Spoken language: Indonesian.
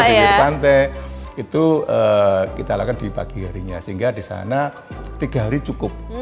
di bibir pantai itu kita lakukan di pagi harinya sehingga di sana tiga hari cukup